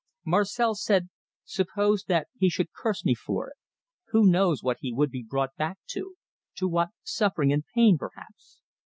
Marcel said, 'Suppose that he should curse me for it? Who knows what he would be brought back to to what suffering and pain, perhaps?